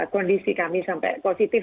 kondisi kami sampai positif